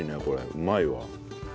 うまいわ。